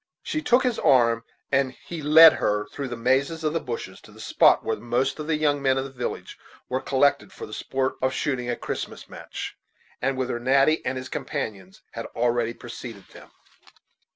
She took his arm, and he led her through the mazes of the bushes to the spot where most of the young men of the village were collected for the sports of shooting a Christmas match, and whither Natty and his Companions had already preceded them.